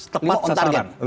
lima tepat sasaran